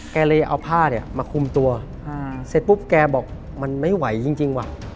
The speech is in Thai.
เลยเอาผ้าเนี่ยมาคุมตัวเสร็จปุ๊บแกบอกมันไม่ไหวจริงว่ะ